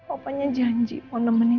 opanya janji mau nemenin